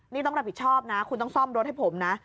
นี่ต้องรับผิดชอบนะคุณต้องซ่อมรถให้ผมนะ